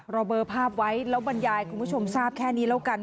เบอร์ภาพไว้แล้วบรรยายคุณผู้ชมทราบแค่นี้แล้วกัน